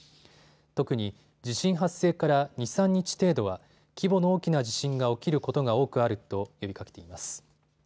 特に地震発生から２、３日程度は規模の大きな地震が起きることが多くあると呼びかけています。